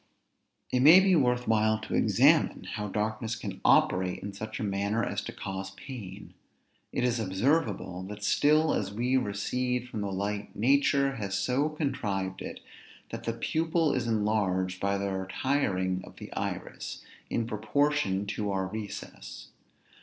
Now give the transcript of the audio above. It may be worth while to examine how darkness can operate in such a manner as to cause pain. It is observable, that still as we recede from the light, nature has so contrived it, that the pupil is enlarged by the retiring of the iris, in proportion to our recess.